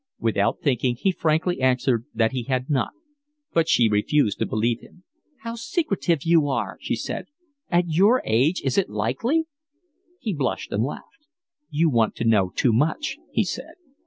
Without thinking, he frankly answered that he had not; but she refused to believe him. "How secretive you are!" she said. "At your age is it likely?" He blushed and laughed. "You want to know too much," he said.